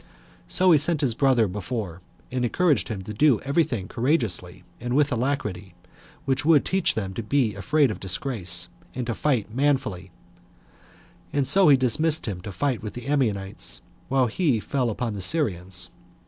So he sent his brother before, and encouraged him to do every thing courageously and with alacrity, which would teach them to be afraid of disgrace, and to fight manfully; and so he dismissed him to fight with the Ammonites, while he fell upon the Syrians.